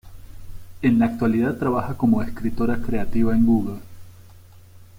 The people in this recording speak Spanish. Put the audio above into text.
En la actualidad trabaja como escritora creativa en Google.